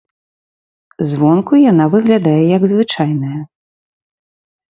Звонку яна выглядае як звычайная.